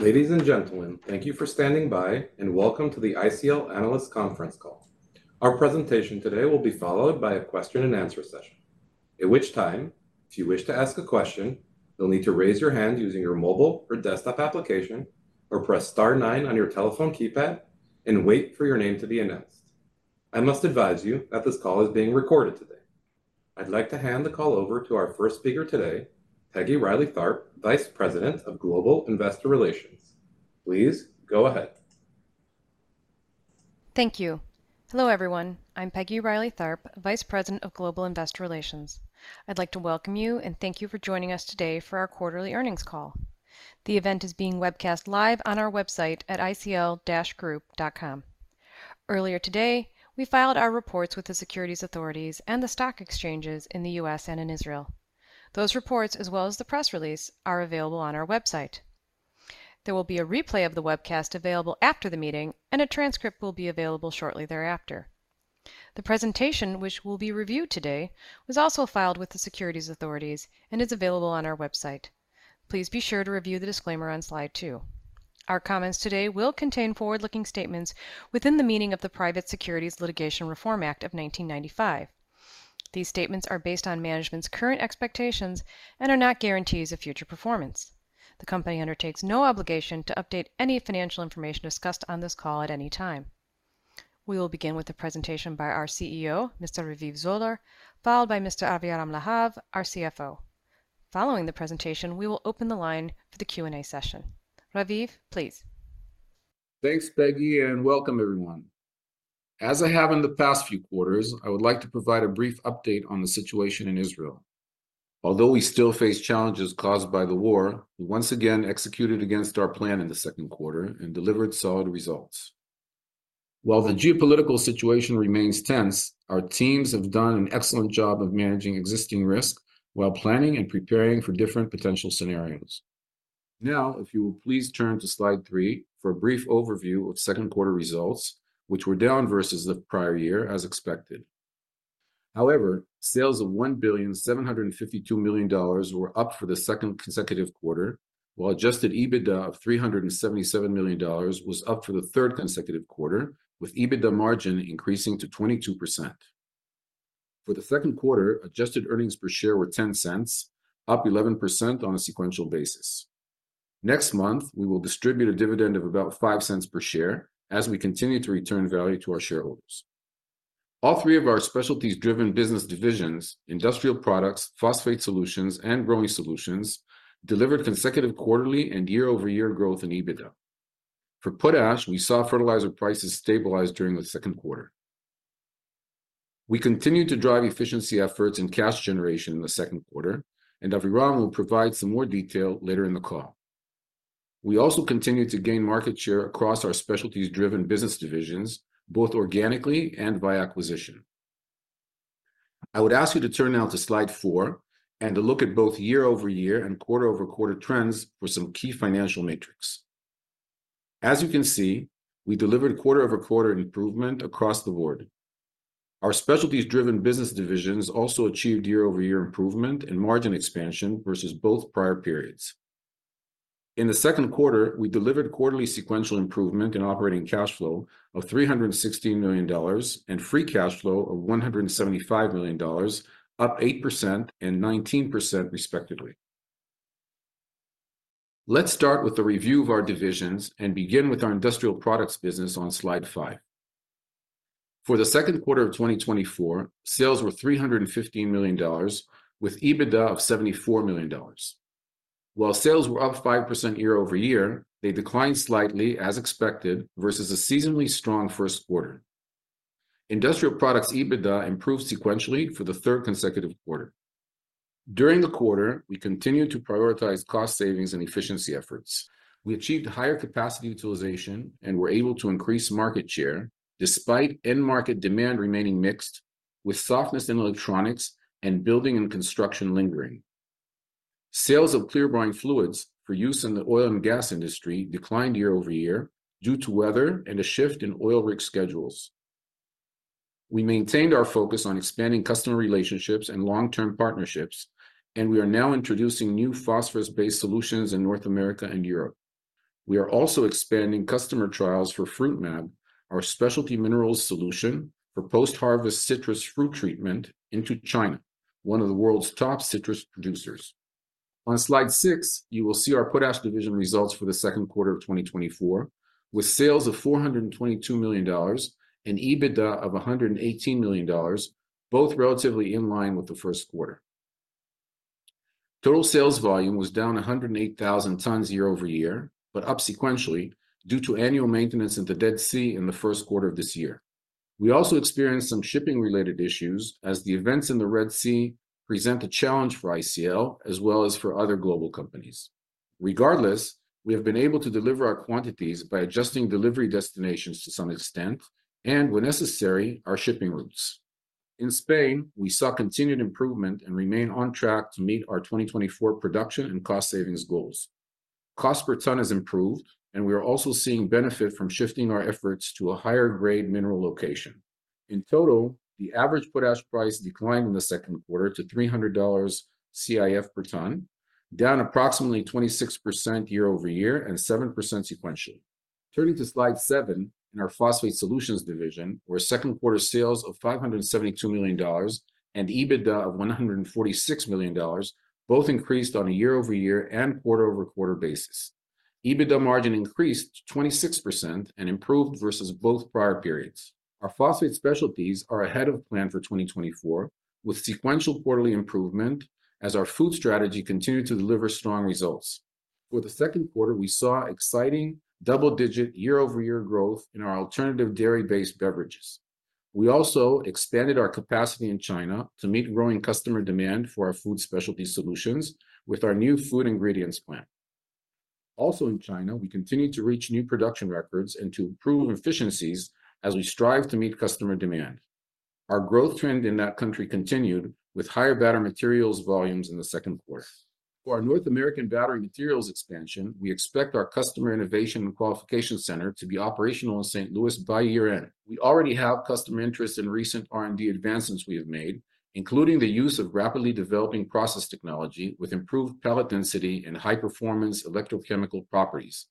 Ladies and gentlemen, thank you for standing by, and welcome to the ICL Analyst Conference Call. Our presentation today will be followed by a question and answer session, at which time, if you wish to ask a question, you'll need to raise your hand using your mobile or desktop application, or press star nine on your telephone keypad and wait for your name to be announced. I must advise you that this call is being recorded today. I'd like to hand the call over to our first speaker today, Peggy Reilly Tharp, Vice President of Global Investor Relations. Please go ahead. Thank you. Hello, everyone. I'm Peggy Reilly Tharp, Vice President of Global Investor Relations. I'd like to welcome you and thank you for joining us today for our quarterly earnings call. The event is being webcast live on our website at icl-group.com. Earlier today, we filed our reports with the securities authorities and the stock exchanges in the US and in Israel. Those reports, as well as the press release, are available on our website. There will be a replay of the webcast available after the meeting, and a transcript will be available shortly thereafter. The presentation, which will be reviewed today, was also filed with the securities authorities and is available on our website. Please be sure to review the disclaimer on slide two. Our comments today will contain forward-looking statements within the meaning of the Private Securities Litigation Reform Act of 1995. These statements are based on management's current expectations and are not guarantees of future performance. The company undertakes no obligation to update any financial information discussed on this call at any time. We will begin with a presentation by our CEO, Mr. Raviv Zoller, followed by Mr. Aviram Lahav, our CFO. Following the presentation, we will open the line for the Q&A session. Raviv, please. Thanks, Peggy, and welcome everyone. As I have in the past few quarters, I would like to provide a brief update on the situation in Israel. Although we still face challenges caused by the war, we once again executed against our plan in the second quarter and delivered solid results. While the geopolitical situation remains tense, our teams have done an excellent job of managing existing risk while planning and preparing for different potential scenarios. Now, if you will please turn to slide 3 for a brief overview of second quarter results, which were down versus the prior year, as expected. However, sales of $1,752 million were up for the second consecutive quarter, while adjusted EBITDA of $377 million was up for the third consecutive quarter, with EBITDA margin increasing to 22%. For the second quarter, adjusted earnings per share were $0.10, up 11% on a sequential basis. Next month, we will distribute a dividend of about $0.05 per share as we continue to return value to our shareholders. All three of our specialties-driven business divisions, Industrial Products, Phosphate Solutions, and Growing Solutions delivered consecutive quarterly and year-over-year growth in EBITDA. For Potash, we saw fertilizer prices stabilize during the second quarter. We continued to drive efficiency efforts and cash generation in the second quarter, and Aviram will provide some more detail later in the call. We also continued to gain market share across our specialties-driven business divisions, both organically and by acquisition. I would ask you to turn now to slide 4 and to look at both year-over-year and quarter-over-quarter trends for some key financial metrics. As you can see, we delivered a quarter-over-quarter improvement across the board. Our specialties-driven business divisions also achieved year-over-year improvement and margin expansion versus both prior periods. In the second quarter, we delivered quarterly sequential improvement in operating cash flow of $316 million, and free cash flow of $175 million, up 8% and 19% respectively. Let's start with the review of our divisions and begin with our Industrial Products business on slide five. For the second quarter of 2024, sales were $315 million, with EBITDA of $74 million. While sales were up 5% year-over-year, they declined slightly, as expected, versus a seasonally strong first quarter. Industrial Products EBITDA improved sequentially for the third consecutive quarter. During the quarter, we continued to prioritize cost savings and efficiency efforts. We achieved higher capacity utilization and were able to increase market share despite end market demand remaining mixed, with softness in electronics and building and construction lingering. Sales of clear brine fluids for use in the oil and gas industry declined year-over-year due to weather and a shift in oil rig schedules. We maintained our focus on expanding customer relationships and long-term partnerships, and we are now introducing new phosphorus-based solutions in North America and Europe. We are also expanding customer trials for FruitMag, our specialty minerals solution for post-harvest citrus fruit treatment into China, one of the world's top citrus producers. On slide six, you will see our Potash division results for the second quarter of 2024, with sales of $422 million and EBITDA of $118 million, both relatively in line with the first quarter. Total sales volume was down 108,000 tons year over year, but up sequentially, due to annual maintenance in the Red Sea in the first quarter of this year. We also experienced some shipping-related issues as the events in the Red Sea present a challenge for ICL as well as for other global companies. Regardless, we have been able to deliver our quantities by adjusting delivery destinations to some extent and, when necessary, our shipping routes. In Spain, we saw continued improvement and remain on track to meet our 2024 production and cost savings goals. Cost per ton has improved, and we are also seeing benefit from shifting our efforts to a higher grade mineral location. In total, the average potash price declined in the second quarter to $300 CIF per ton, down approximately 26% year over year and 7% sequentially. Turning to Slide 7, in our Phosphate Solutions division, where second quarter sales of $572 million and EBITDA of $146 million both increased on a year-over-year and quarter-over-quarter basis. EBITDA margin increased to 26% and improved versus both prior periods. Our phosphate specialties are ahead of plan for 2024, with sequential quarterly improvement as our food strategy continued to deliver strong results. For the second quarter, we saw exciting double-digit year-over-year growth in our alternative dairy-based beverages. We also expanded our capacity in China to meet growing customer demand for our food specialty solutions with our new food ingredients plant. Also in China, we continued to reach new production records and to improve efficiencies as we strive to meet customer demand. Our growth trend in that country continued, with higher battery materials volumes in the second quarter. For our North American battery materials expansion, we expect our customer innovation and qualification center to be operational in St. Louis by year-end. We already have customer interest in recent R&D advancements we have made, including the use of rapidly developing process technology with improved pellet density and high-performance electrochemical properties.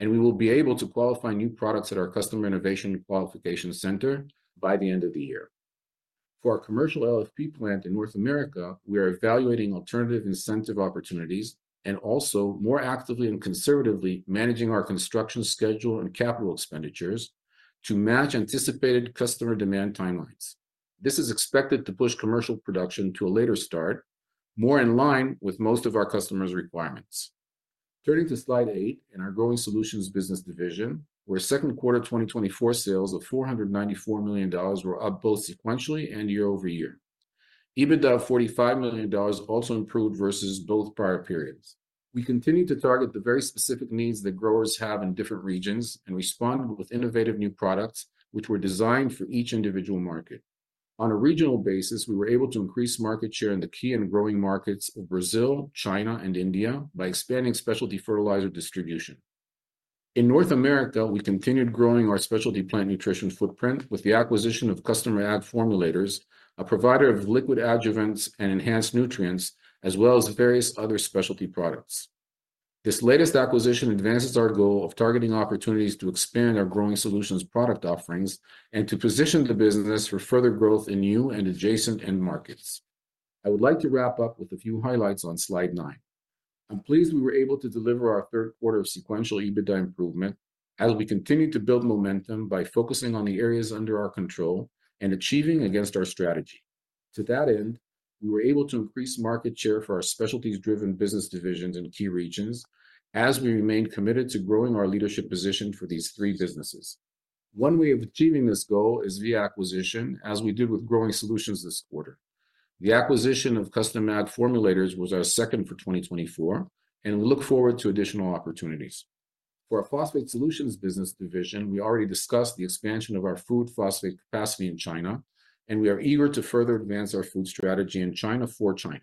We will be able to qualify new products at our customer innovation and qualification center by the end of the year. For our commercial LFP plant in North America, we are evaluating alternative incentive opportunities and also more actively and conservatively managing our construction schedule and capital expenditures to match anticipated customer demand timelines. This is expected to push commercial production to a later start, more in line with most of our customers' requirements. Turning to Slide 8, in our Growing Solutions business division, where second quarter 2024 sales of $494 million were up both sequentially and year-over-year. EBITDA of $45 million also improved versus both prior periods. We continued to target the very specific needs that growers have in different regions and responded with innovative new products which were designed for each individual market. On a regional basis, we were able to increase market share in the key and growing markets of Brazil, China, and India by expanding specialty fertilizer distribution. In North America, we continued growing our specialty plant nutrition footprint with the acquisition of Custom Ag Formulators, a provider of liquid adjuvants and enhanced nutrients, as well as various other specialty products. This latest acquisition advances our goal of targeting opportunities to expand our Growing Solutions product offerings and to position the business for further growth in new and adjacent end markets. I would like to wrap up with a few highlights on Slide 9. I'm pleased we were able to deliver our third quarter of sequential EBITDA improvement as we continued to build momentum by focusing on the areas under our control and achieving against our strategy. To that end, we were able to increase market share for our specialties-driven business divisions in key regions as we remained committed to growing our leadership position for these three businesses. One way of achieving this goal is via acquisition, as we did with Growing Solutions this quarter. The acquisition of Custom Ag Formulators was our second for 2024, and we look forward to additional opportunities. For our Phosphate Solutions business division, we already discussed the expansion of our food phosphate capacity in China, and we are eager to further advance our food strategy in China for China.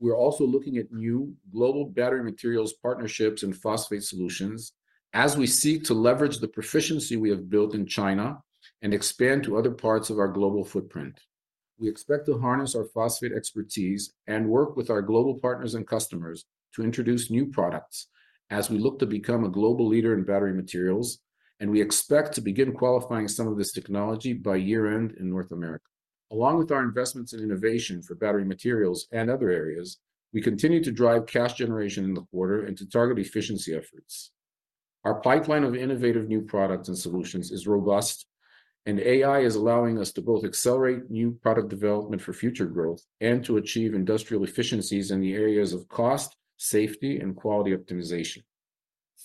We are also looking at new global battery materials, partnerships, and phosphate solutions as we seek to leverage the proficiency we have built in China and expand to other parts of our global footprint. We expect to harness our phosphate expertise and work with our global partners and customers to introduce new products as we look to become a global leader in battery materials, and we expect to begin qualifying some of this technology by year-end in North America. Along with our investments in innovation for battery materials and other areas, we continue to drive cash generation in the quarter and to target efficiency efforts. Our pipeline of innovative new products and solutions is robust, and AI is allowing us to both accelerate new product development for future growth and to achieve industrial efficiencies in the areas of cost, safety, and quality optimization.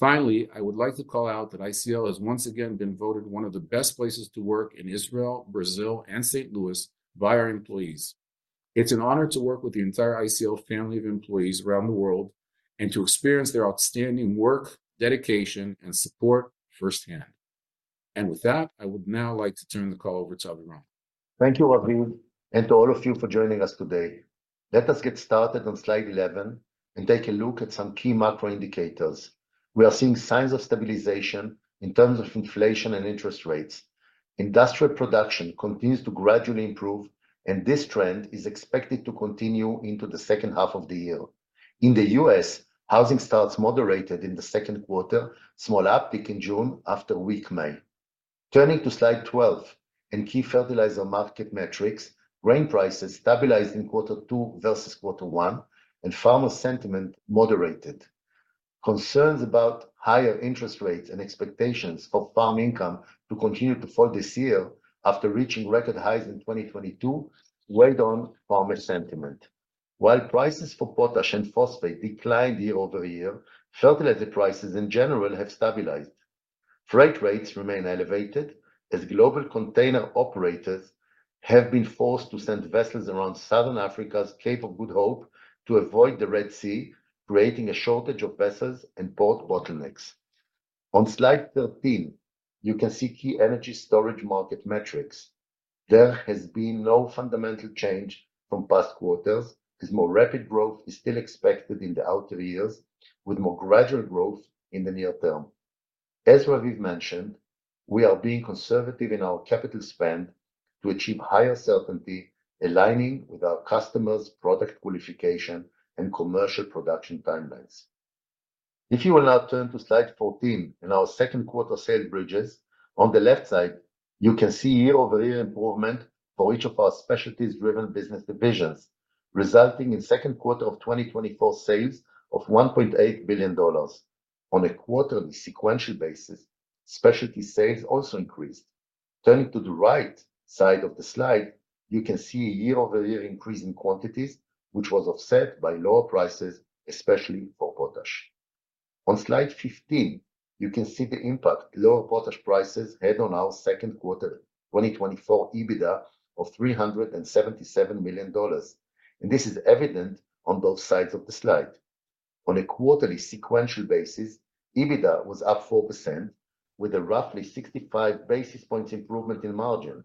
Finally, I would like to call out that ICL has once again been voted one of the best places to work in Israel, Brazil, and St. Louis by our employees. It's an honor to work with the entire ICL family of employees around the world and to experience their outstanding work, dedication, and support firsthand. With that, I would now like to turn the call over to Aviram. Thank you, Raviv, and to all of you for joining us today. Let us get started on Slide 11 and take a look at some key macro indicators. We are seeing signs of stabilization in terms of inflation and interest rates. Industrial production continues to gradually improve, and this trend is expected to continue into the second half of the year. In the U.S., housing starts moderated in the second quarter, small uptick in June after a weak May. Turning to Slide 12, in key fertilizer market metrics, grain prices stabilized in Quarter Two versus Quarter One, and farmer sentiment moderated. Concerns about higher interest rates and expectations for farm income to continue to fall this year after reaching record highs in 2022 weighed on farmer sentiment. While prices for potash and phosphate declined year-over-year, fertilizer prices in general have stabilized. Freight rates remain elevated as global container operators have been forced to send vessels around Southern Africa's Cape of Good Hope to avoid the Red Sea, creating a shortage of vessels and port bottlenecks. On Slide 13, you can see key energy storage market metrics. There has been no fundamental change from past quarters, as more rapid growth is still expected in the outer years, with more gradual growth in the near term.... As Raviv mentioned, we are being conservative in our capital spend to achieve higher certainty, aligning with our customers' product qualification and commercial production timelines. If you will now turn to slide 14 in our second quarter sales bridges, on the left side, you can see year-over-year improvement for each of our specialties-driven business divisions, resulting in second quarter of 2024 sales of $1.8 billion. On a quarterly sequential basis, specialty sales also increased. Turning to the right side of the slide, you can see a year-over-year increase in quantities, which was offset by lower prices, especially for potash. On slide 15, you can see the impact lower potash prices had on our second quarter 2024 EBITDA of $377 million, and this is evident on both sides of the slide. On a quarterly sequential basis, EBITDA was up 4% with a roughly 65 basis points improvement in margin.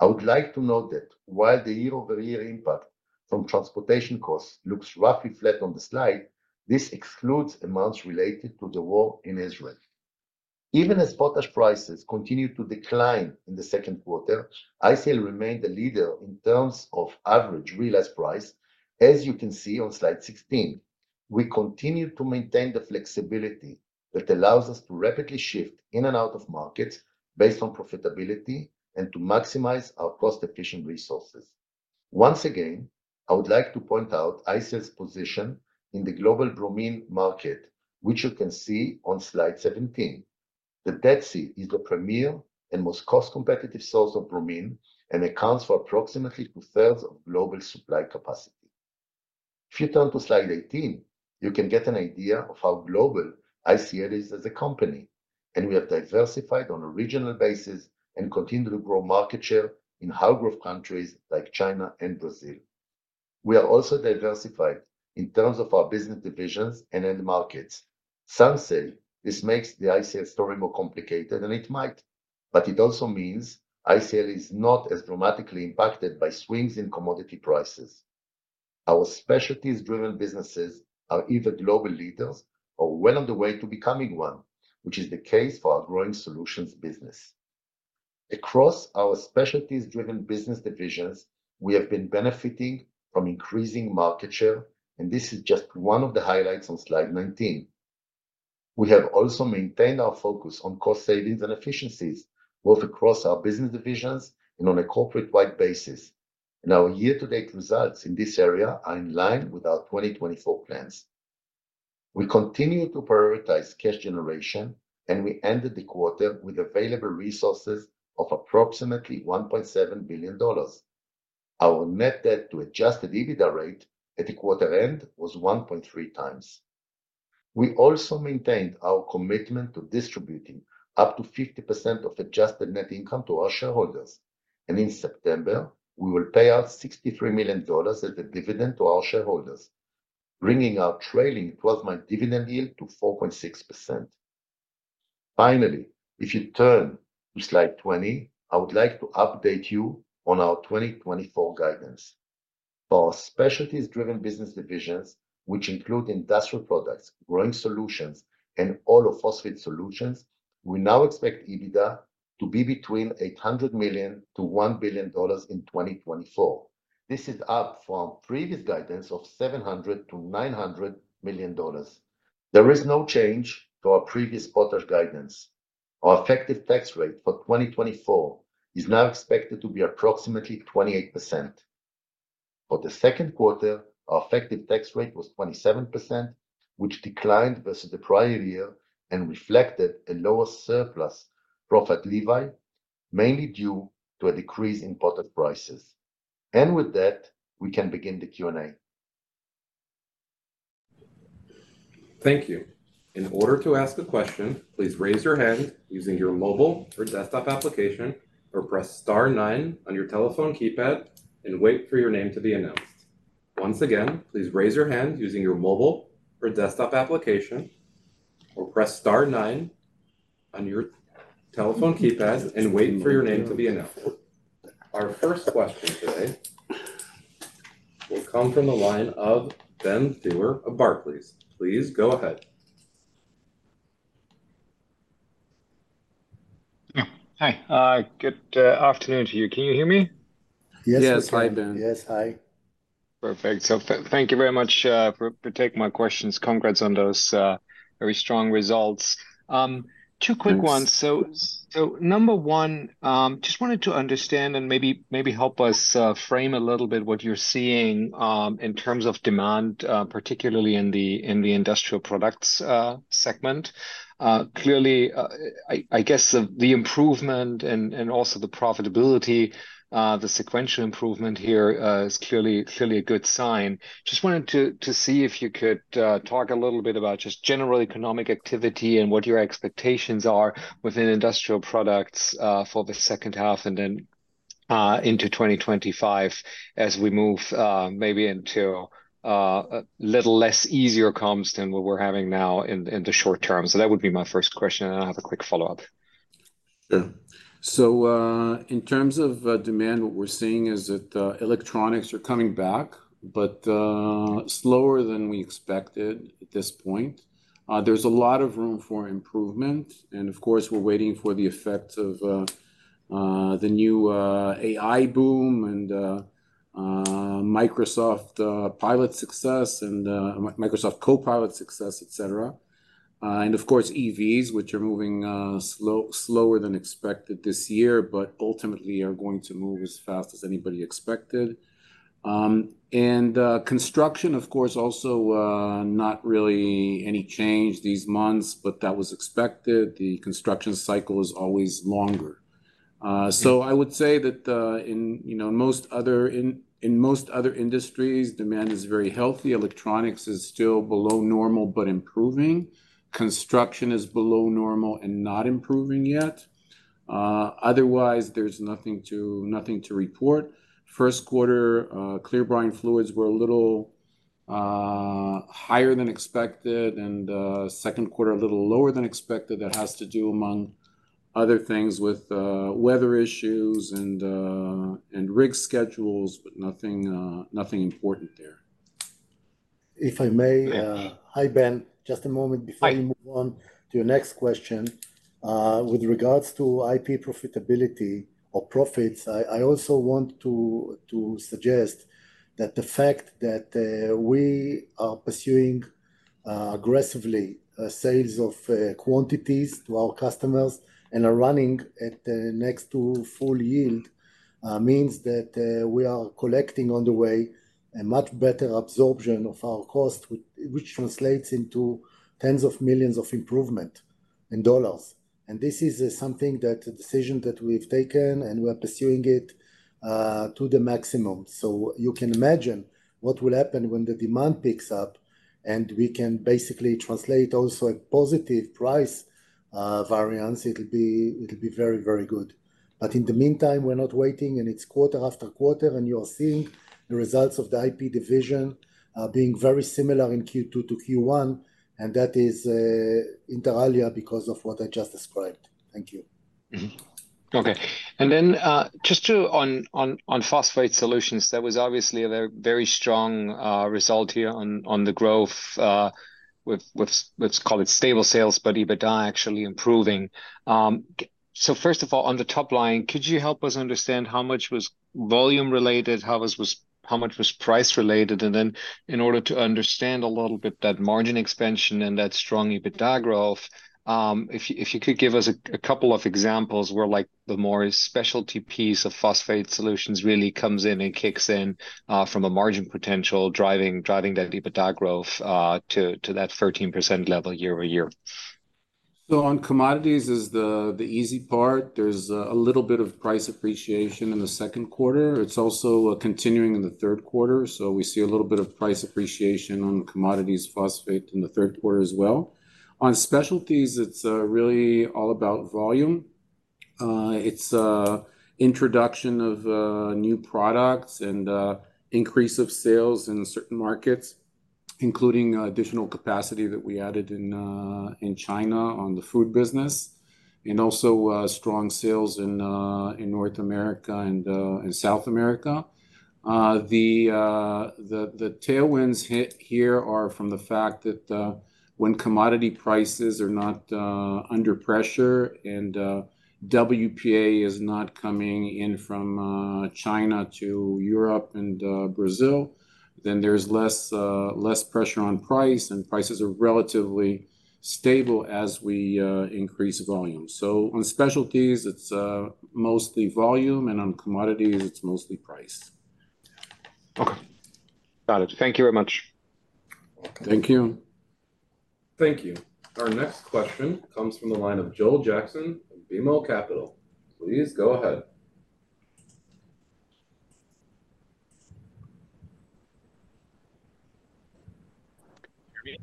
I would like to note that while the year-over-year impact from transportation costs looks roughly flat on the slide, this excludes amounts related to the war in Israel. Even as potash prices continued to decline in the second quarter, ICL remained the leader in terms of average realized price, as you can see on slide 16. We continue to maintain the flexibility that allows us to rapidly shift in and out of markets based on profitability and to maximize our cost-efficient resources. Once again, I would like to point out ICL's position in the global bromine market, which you can see on slide 17. The Red Sea is the premier and most cost-competitive source of bromine and accounts for approximately two-thirds of global supply capacity. If you turn to slide 18, you can get an idea of how global ICL is as a company, and we have diversified on a regional basis and continue to grow market share in high-growth countries like China and Brazil. We are also diversified in terms of our business divisions and end markets. Some say this makes the ICL story more complicated, and it might, but it also means ICL is not as dramatically impacted by swings in commodity prices. Our specialties-driven businesses are either global leaders or well on the way to becoming one, which is the case for our Growing Solutions business. Across our specialties-driven business divisions, we have been benefiting from increasing market share, and this is just one of the highlights on slide 19. We have also maintained our focus on cost savings and efficiencies, both across our business divisions and on a corporate-wide basis, and our year-to-date results in this area are in line with our 2024 plans. We continue to prioritize cash generation, and we ended the quarter with available resources of approximately $1.7 billion. Our net debt to adjusted EBITDA rate at the quarter end was 1.3 times. We also maintained our commitment to distributing up to 50% of adjusted net income to our shareholders, and in September, we will pay out $63 million as a dividend to our shareholders, bringing our trailing twelve-month dividend yield to 4.6%. Finally, if you turn to slide 20, I would like to update you on our 2024 guidance. For our specialties-driven business divisions, which include Industrial Products, Growing Solutions, and all of Phosphate Solutions, we now expect EBITDA to be between $800 million-$1 billion in 2024. This is up from previous guidance of $700 million-$900 million. There is no change to our previous Potash guidance. Our effective tax rate for 2024 is now expected to be approximately 28%. For the second quarter, our effective tax rate was 27%, which declined versus the prior year and reflected a lower surplus profit levy, mainly due to a decrease in potash prices. With that, we can begin the Q&A. Thank you. In order to ask a question, please raise your hand using your mobile or desktop application, or press star nine on your telephone keypad and wait for your name to be announced. Once again, please raise your hand using your mobile or desktop application, or press star nine on your telephone keypad and wait for your name to be announced. Our first question today will come from the line of Ben Theurer of Barclays. Please go ahead. Yeah. Hi, good afternoon to you. Can you hear me? Yes. Yes. Hi, Ben. Yes, hi. Perfect. Thank you very much for taking my questions. Congrats on those very strong results. Two quick ones. Please. So, number one, just wanted to understand and maybe help us frame a little bit what you're seeing in terms of demand, particularly in the Industrial Products segment. Clearly, I guess the improvement and also the profitability, the sequential improvement here, is clearly a good sign. Just wanted to see if you could talk a little bit about just general economic activity and what your expectations are within Industrial Products for the second half and then into 2025 as we move, maybe into a little less easier comps than what we're having now in the short term. So that would be my first question, and I have a quick follow-up.... Sure. So, in terms of, demand, what we're seeing is that, electronics are coming back, but, slower than we expected at this point. There's a lot of room for improvement, and of course, we're waiting for the effect of, the new, AI boom and, Microsoft, pilot success and, Microsoft Copilot success, et cetera. And of course, EVs, which are moving, slower than expected this year, but ultimately are going to move as fast as anybody expected. And, construction, of course, also, not really any change these months, but that was expected. The construction cycle is always longer. So I would say that, in, you know, most other industries, demand is very healthy. Electronics is still below normal, but improving. Construction is below normal and not improving yet. Otherwise, there's nothing to report. First quarter, Clear brine fluids were a little higher than expected, and second quarter, a little lower than expected. That has to do, among other things, with weather issues and rig schedules, but nothing important there. If I may- Yeah. Hi, Ben. Just a moment- Hi... before you move on to your next question. With regards to IP profitability or profits, I also want to suggest that the fact that we are pursuing aggressively sales of quantities to our customers and are running at next to full yield means that we are collecting on the way a much better absorption of our cost, which translates into $ tens of millions of improvement. And this is something that a decision that we've taken, and we're pursuing it to the maximum. So you can imagine what will happen when the demand picks up, and we can basically translate also a positive price variance. It'll be very, very good. But in the meantime, we're not waiting, and it's quarter after quarter, and you are seeing the results of the IP division, being very similar in Q2 to Q1, and that is, inter alia, because of what I just described. Thank you. Mm-hmm. Okay. And then, just to on Phosphate Solutions, there was obviously a very strong result here on the growth, with let's call it stable sales, but EBITDA actually improving. So first of all, on the top line, could you help us understand how much was volume related, how much was price related? And then in order to understand a little bit that margin expansion and that strong EBITDA growth, if you could give us a couple of examples where like the more specialty piece of Phosphate Solutions really comes in and kicks in, from a margin potential, driving that EBITDA growth, to that 13% level year-over-year. So on commodities is the easy part. There's a little bit of price appreciation in the second quarter. It's also continuing in the third quarter, so we see a little bit of price appreciation on commodities phosphate in the third quarter as well. On specialties, it's really all about volume. It's introduction of new products and increase of sales in certain markets, including additional capacity that we added in China on the food business, and also strong sales in North America and in South America. The tailwinds here are from the fact that when commodity prices are not under pressure, and WPA is not coming in from China to Europe and Brazil, then there's less pressure on price, and prices are relatively stable as we increase volume. So on specialties, it's mostly volume, and on commodities, it's mostly price. Okay. Got it. Thank you very much. Thank you. Thank you. Our next question comes from the line of Joel Jackson of BMO Capital. Please go ahead. Can you hear me?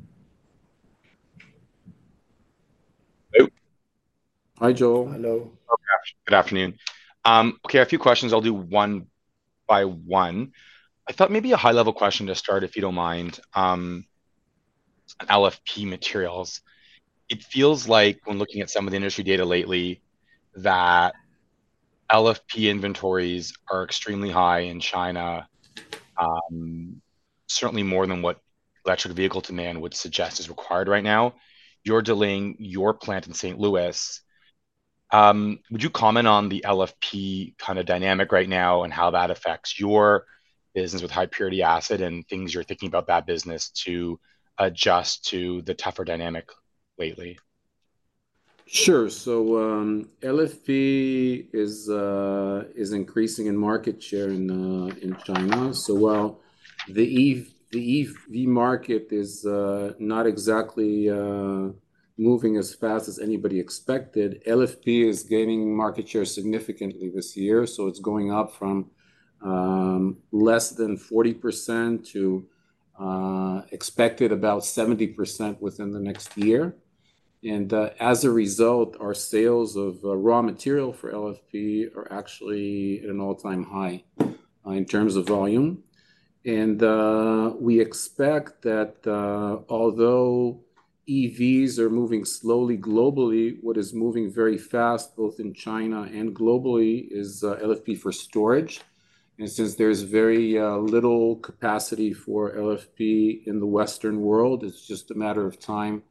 Hello? Hi, Joel. Hello. Okay. Good afternoon. Okay, a few questions. I'll do one by one. I thought maybe a high-level question to start, if you don't mind, LFP materials. It feels like when looking at some of the industry data lately, that LFP inventories are extremely high in China, certainly more than what electric vehicle demand would suggest is required right now. You're delaying your plant in St. Louis. Would you comment on the LFP kind of dynamic right now and how that affects your business with high-purity acid and things you're thinking about that business to adjust to the tougher dynamic lately? Sure. So, LFP is increasing in market share in China. So while the EV market is not exactly moving as fast as anybody expected, LFP is gaining market share significantly this year, so it's going up from less than 40% to expected about 70% within the next year. And as a result, our sales of raw material for LFP are actually at an all-time high in terms of volume. And we expect that although EVs are moving slowly globally, what is moving very fast, both in China and globally, is LFP for storage. And since there's very little capacity for LFP in the Western world, it's just a matter of time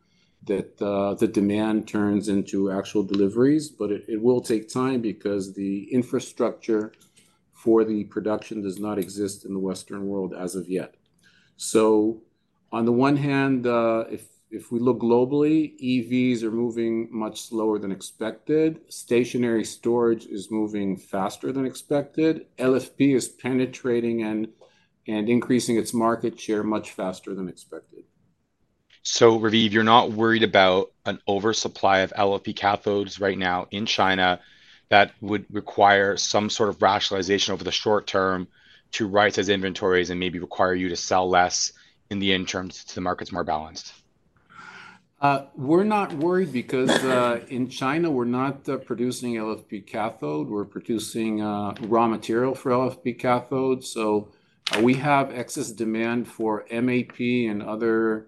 that the demand turns into actual deliveries. But it will take time because the infrastructure for the production does not exist in the Western world as of yet. So on the one hand, if we look globally, EVs are moving much slower than expected. Stationary storage is moving faster than expected. LFP is penetrating and increasing its market share much faster than expected. So, Raviv, you're not worried about an oversupply of LFP cathodes right now in China that would require some sort of rationalization over the short term to right-size inventories and maybe require you to sell less in the interim till the market's more balanced? We're not worried because in China, we're not producing LFP cathode. We're producing raw material for LFP cathodes. So, we have excess demand for MAP and other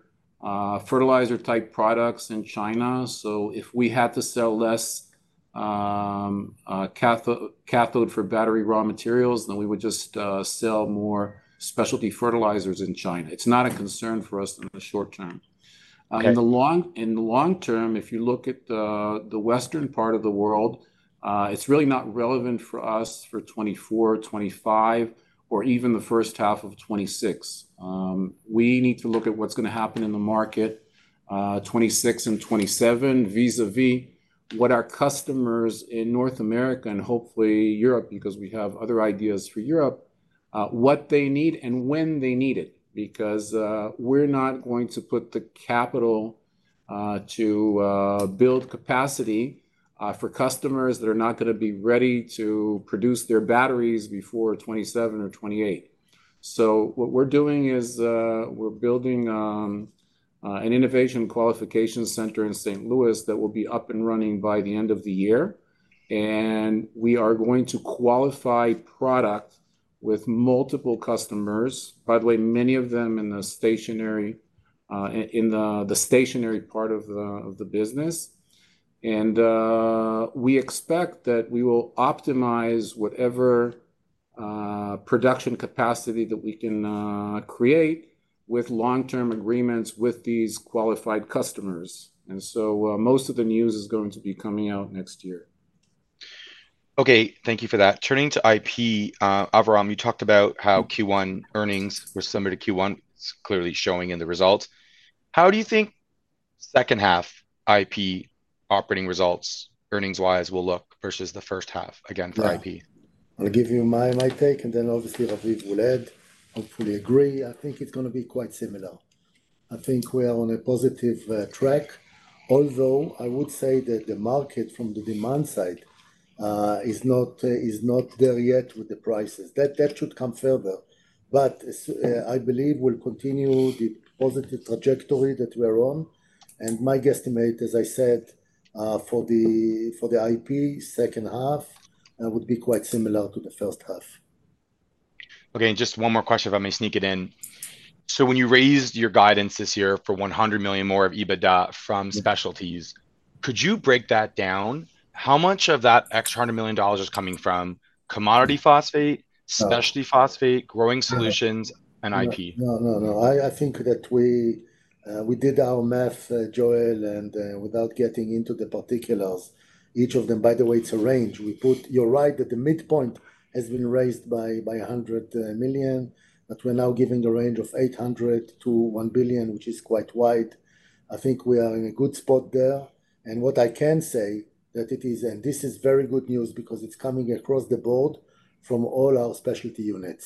fertilizer-type products in China. So if we had to sell less cathode for battery raw materials, then we would just sell more specialty fertilizers in China. It's not a concern for us in the short term. Okay. In the long term, if you look at the western part of the world, it's really not relevant for us for 2024, 2025, or even the first half of 2026. We need to look at what's going to happen in the market, 2026 and 2027, vis-a-vis what our customers in North America and hopefully Europe, because we have other ideas for Europe, what they need and when they need it, because we're not going to put the capital to build capacity for customers that are not going to be ready to produce their batteries before 2027 or 2028. So what we're doing is, we're building an innovation qualification center inSt. Louis. Louis that will be up and running by the end of the year, and we are going to qualify product with multiple customers, by the way, many of them in the stationary part of the business. We expect that we will optimize whatever production capacity that we can create with long-term agreements with these qualified customers. So, most of the news is going to be coming out next year. Okay, thank you for that. Turning to IP, Aviram, you talked about how Q1 earnings were similar to Q1. It's clearly showing in the results. How do you think second half IP operating results, earnings-wise, will look versus the first half, again, for IP? Right. I'll give you my take, and then obviously, Raviv will add, hopefully agree. I think it's going to be quite similar. I think we are on a positive track, although I would say that the market from the demand side is not there yet with the prices. That should come further. But I believe we'll continue the positive trajectory that we're on. And my guesstimate, as I said, for the IP second half would be quite similar to the first half. Okay, and just one more question, if I may sneak it in. So when you raised your guidance this year for $100 million more of EBITDA from specialties, could you break that down? How much of that extra $100 million is coming from commodity phosphate- No... specialty phosphate, Growing Solutions, and IP? No, no, no. I, I think that we, we did our math, Joel, and, without getting into the particulars, each of them, by the way, it's a range. We put... You're right that the midpoint has been raised by $100 million, but we're now giving a range of $800 million-$1 billion, which is quite wide. I think we are in a good spot there. And what I can say, that it is, and this is very good news, because it's coming across the board from all our specialty units.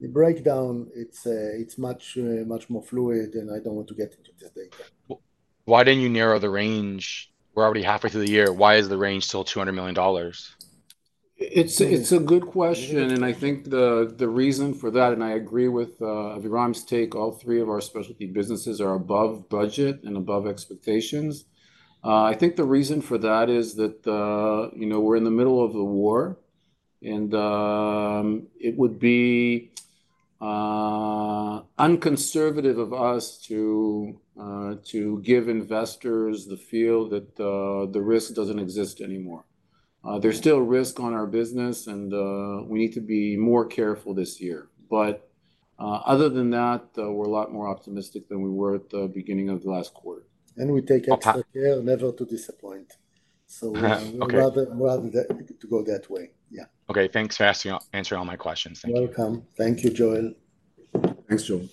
The breakdown, it's, it's much, much more fluid, and I don't want to get into the data. Well, why didn't you narrow the range? We're already halfway through the year, why is the range still $200 million? It's a good question, and I think the reason for that, and I agree with Aviram's take, all three of our specialty businesses are above budget and above expectations. I think the reason for that is that, you know, we're in the middle of a war, and it would be unconservative of us to give investors the feel that the risk doesn't exist anymore. There's still risk on our business, and we need to be more careful this year. But other than that, we're a lot more optimistic than we were at the beginning of the last quarter. And we take- Okay... extra care never to disappoint. Uh, okay. So we rather that to go that way. Yeah. Okay, thanks for asking, answering all my questions. Thank you. Welcome. Thank you, Joel. Thanks, Joel.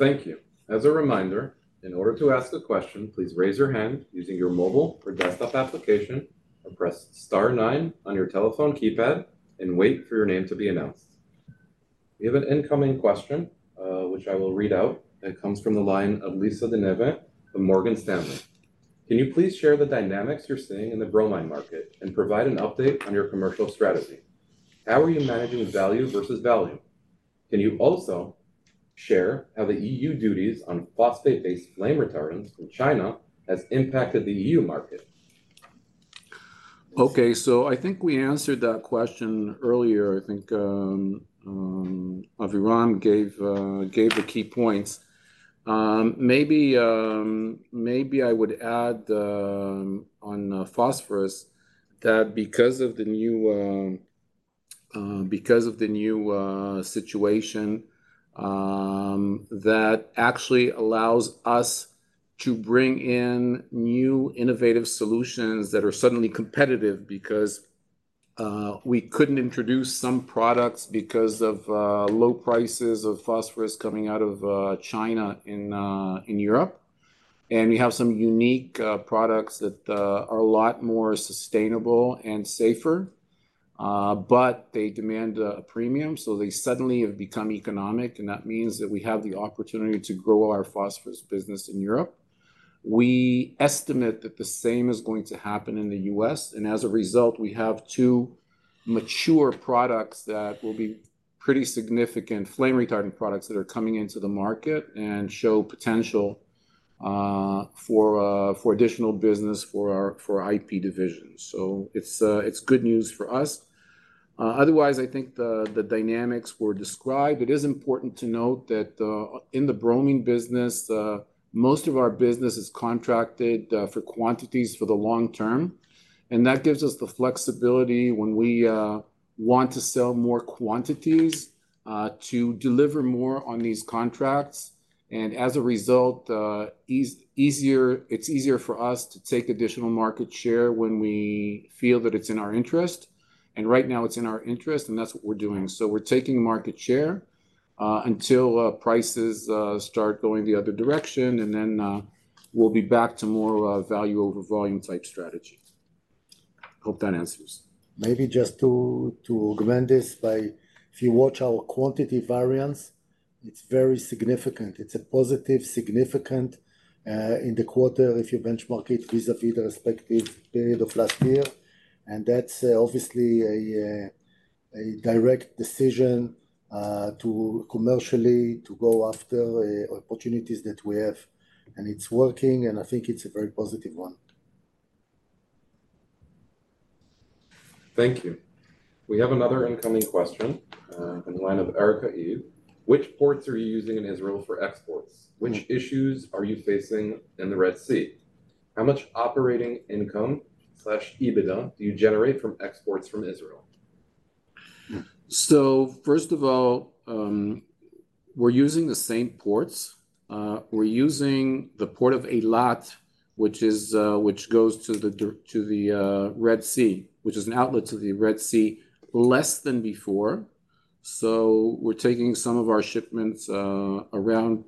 Thank you. As a reminder, in order to ask a question, please raise your hand using your mobile or desktop application, or press star nine on your telephone keypad and wait for your name to be announced. We have an incoming question, which I will read out. It comes from the line of Lisa De Neve from Morgan Stanley: "Can you please share the dynamics you're seeing in the bromine market and provide an update on your commercial strategy? How are you managing value versus volume? Can you also share how the EU duties on phosphate-based flame retardants from China has impacted the EU market?... Okay, so I think we answered that question earlier. I think Aviram gave the key points. Maybe I would add on phosphorus that because of the new situation that actually allows us to bring in new innovative solutions that are suddenly competitive. Because we couldn't introduce some products because of low prices of phosphorus coming out of China in Europe. And we have some unique products that are a lot more sustainable and safer, but they demand a premium, so they suddenly have become economic, and that means that we have the opportunity to grow our phosphorus business in Europe. We estimate that the same is going to happen in the U.S., and as a result, we have two mature products that will be pretty significant, flame retardant products that are coming into the market and show potential for additional business for our IP division. So it's good news for us. Otherwise, I think the dynamics were described. It is important to note that in the bromine business, most of our business is contracted for quantities for the long term, and that gives us the flexibility when we want to sell more quantities to deliver more on these contracts. And as a result, it's easier for us to take additional market share when we feel that it's in our interest, and right now it's in our interest, and that's what we're doing. So we're taking market share until prices start going the other direction, and then we'll be back to more value over volume type strategy. Hope that answers. Maybe just to, to augment this by, if you watch our quantity variance, it's very significant. It's a positive, significant, in the quarter, if you benchmark it vis-à-vis the respective period of last year, and that's, obviously a, a direct decision, to commercially to go after, opportunities that we have, and it's working, and I think it's a very positive one. Thank you. We have another incoming question in the line of Erica Yu. Which ports are you using in Israel for exports? Which issues are you facing in the Red Sea? How much operating income/EBITDA do you generate from exports from Israel? So first of all, we're using the same ports. We're using the port of Eilat, which goes to the Red Sea, which is an outlet to the Red Sea, less than before. So we're taking some more of our shipments around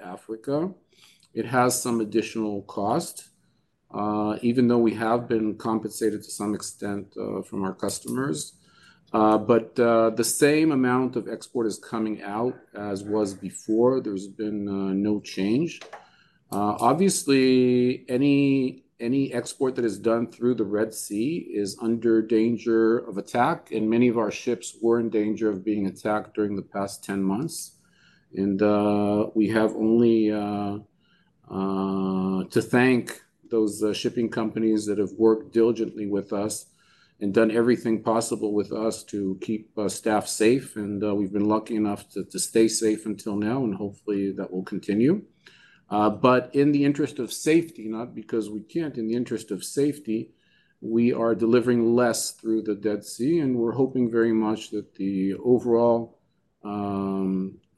Africa. It has some additional cost, even though we have been compensated to some extent from our customers. But the same amount of export is coming out as was before. There's been no change. Obviously, any export that is done through the Red Sea is under danger of attack, and many of our ships were in danger of being attacked during the past 10 months. We have only to thank those shipping companies that have worked diligently with us and done everything possible with us to keep our staff safe, and we've been lucky enough to stay safe until now, and hopefully that will continue. But in the interest of safety, not because we can't, in the interest of safety, we are delivering less through the Red Sea, and we're hoping very much that the overall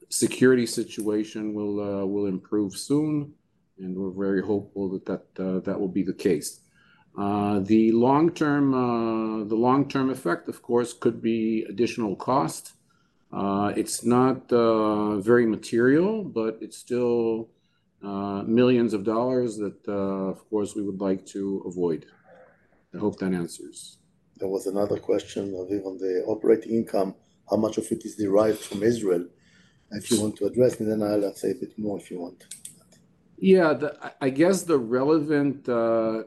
security situation will improve soon, and we're very hopeful that that will be the case. The long-term effect, of course, could be additional cost. It's not very material, but it's still $ millions that, of course, we would like to avoid. I hope that answers. There was another question, Avi, on the operating income, how much of it is derived from Israel? If you want to address, and then I'll add say a bit more, if you want. Yeah. I, I guess the relevant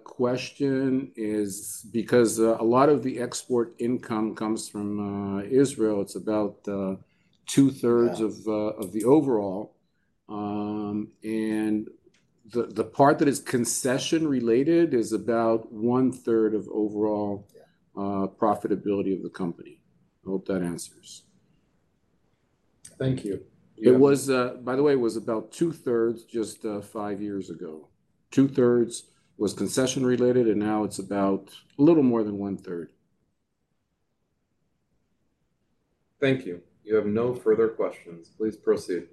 question is because a lot of the export income comes from Israel, it's about two-thirds- Yeah... of the overall. And the part that is concession-related is about one-third of overall- Yeah... profitability of the company. I hope that answers. Thank you. It was, by the way, it was about two-thirds just five years ago. Two-thirds was concession-related, and now it's about a little more than one-third. Thank you. You have no further questions. Please proceed.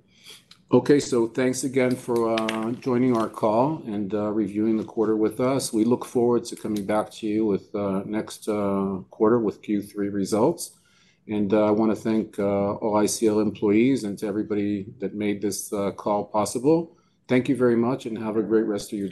Okay, so thanks again for joining our call and reviewing the quarter with us. We look forward to coming back to you with next quarter, with Q3 results. And I want to thank all ICL employees and to everybody that made this call possible. Thank you very much, and have a great rest of your day.